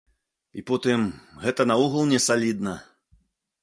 І потым, гэта наогул не салідна.